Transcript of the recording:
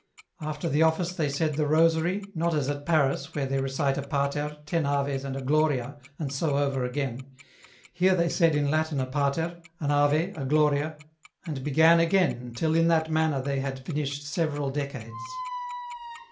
After the office, they said the Rosary, not as at Paris, where they recite a Pater, ten Aves, and a Gloria, and so over again ; here they said in Latin a Pater, an Ave, a Gloria, and began again till in that manner they had finished several decades.